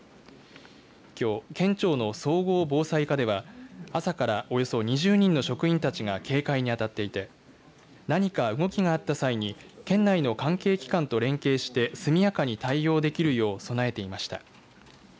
きょう、県庁の総合防災課では朝からおよそ２０人の職員たちが警戒に当たっていて何か動きがあった際に県内の関係機関と連携して速やかに対応できるよう備えていました。